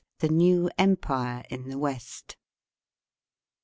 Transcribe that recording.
THE NEW EMPIBE IN THE WEST.